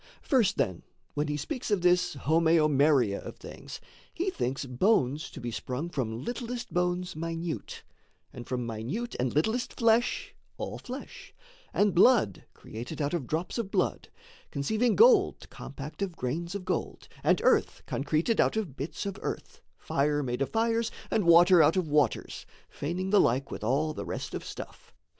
First, then, when he speaks Of this homeomeria of things, he thinks Bones to be sprung from littlest bones minute, And from minute and littlest flesh all flesh, And blood created out of drops of blood, Conceiving gold compact of grains of gold, And earth concreted out of bits of earth, Fire made of fires, and water out of waters, Feigning the like with all the rest of stuff.